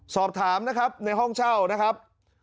สอบถามนะครับในห้องเช่านะครับ